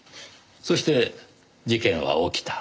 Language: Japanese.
そして事件は起きた。